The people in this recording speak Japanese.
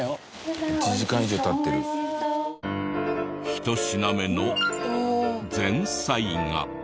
１品目の前菜が。